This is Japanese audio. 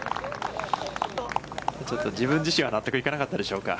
ちょっと自分自身は納得いかなかったんでしょうか。